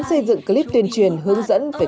xây dựng clip tuyên truyền hướng dẫn về